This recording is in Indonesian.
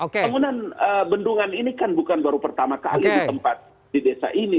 bangunan bendungan ini kan bukan baru pertama kali ditempat di desa ini